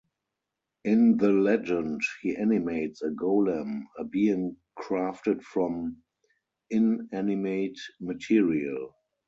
In the legend, he animates a golem, a being crafted from inanimate material.